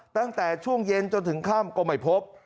ตั้งแต่ช่วงเย็นจนถึงค่ำก็ไม่พบ